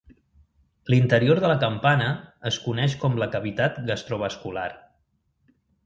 L'interior de la campana es coneix com la cavitat gastrovascular.